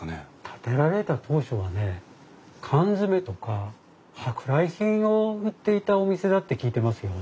建てられた当初はね缶詰とか舶来品を売っていたお店だって聞いてますよ。